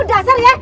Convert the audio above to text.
udah asal ya